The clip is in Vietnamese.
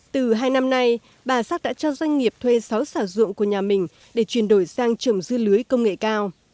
từ hai năm nay bà xác đã cho doanh nghiệp thuê sáu xã ruộng của nhà mình để chuyển đổi sang trường dư lưới công nghệ cao